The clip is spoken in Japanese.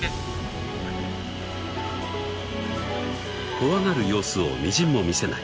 ［怖がる様子をみじんも見せない］